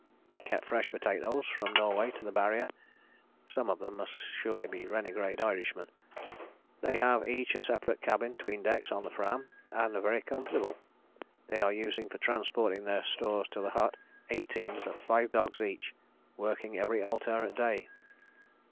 They kept fresh potatoes from Norway to the Barrier. (Some of them must surely be renegade Irishmen.) They have each a separate cabin 'tween decks in the Fram, and are very comfortable. They are using for transporting their stores to the hut, eight teams of five dogs each, working every alternate day.